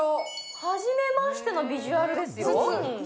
初めましてのビジュアルですよ。